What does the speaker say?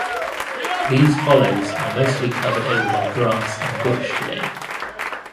These hollows are mostly covered over by grass and bush today.